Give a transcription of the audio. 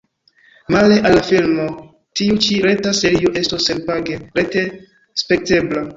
Male al la filmo tiu ĉi reta serio estos senpage rete spektebla.